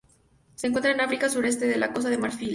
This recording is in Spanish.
Se encuentran en África: suroeste de la Costa de Marfil.